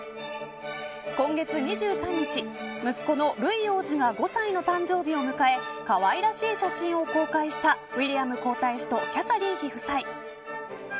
今月２３日、息子のルイ王子が５歳の誕生日を迎えかわいらしい写真を公開したウィリアム皇太子とキャサリン妃夫妻。